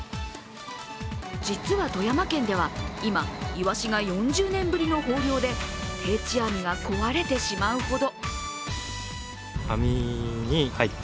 実は、富山県では今、イワシが４０年ぶりの豊漁で定置網が壊れてしまうほど。